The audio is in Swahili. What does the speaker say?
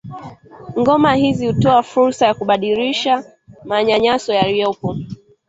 Ngoma hizi hutoa fursa ya kubadilisha manyanyaso yaliyopo